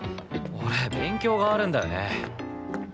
俺勉強があるんだよね。